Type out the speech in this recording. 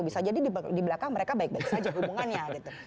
bisa jadi di belakang mereka baik baik saja hubungannya gitu